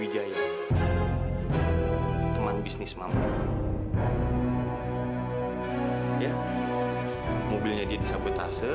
dengan kantor polisi